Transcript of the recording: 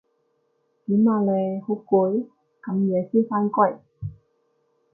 點啊你？好攰？咁夜先返歸